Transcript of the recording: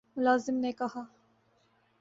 ملازم نے کہا